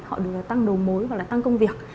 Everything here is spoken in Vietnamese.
họ được tăng đầu mối và tăng công việc